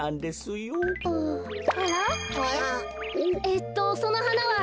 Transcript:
えっとそのはなは。